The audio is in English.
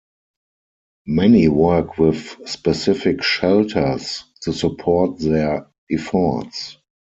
Many work with specific shelters to support their efforts.